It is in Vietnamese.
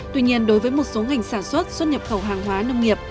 tuy nhiên đối với một số ngành sản xuất xuất nhập khẩu hàng hóa nông nghiệp